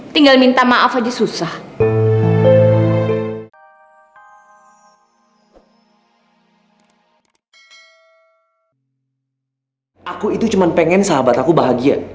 tinggal minta maaf aja susah